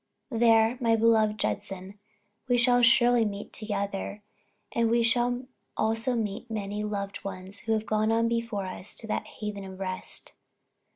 There, my beloved Judson, we shall surely meet each other; and we shall also meet many loved ones who have gone before us to that haven of rest."